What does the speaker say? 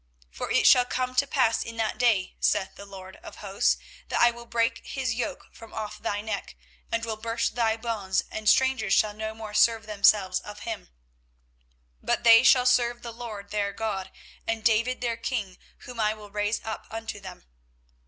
24:030:008 For it shall come to pass in that day, saith the LORD of hosts, that I will break his yoke from off thy neck, and will burst thy bonds, and strangers shall no more serve themselves of him: 24:030:009 But they shall serve the LORD their God, and David their king, whom I will raise up unto them.